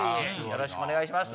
よろしくお願いします。